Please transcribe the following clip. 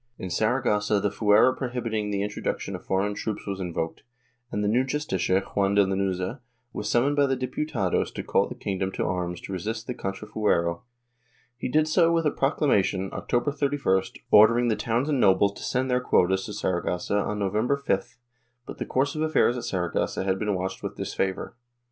In Saragossa the fuero prohibiting the introduction of foreign troops was invoked, and the new Justicia, Juan de Lanuza, was summoned by the Diputados to call the king dom to arms to resist the contrafuero. He did so with a procla mation, October 31st, ordering the towns and nobles to send their quotas to Saragossa on November 5th, but the course of affairs at Saragossa had been watched with disfavor.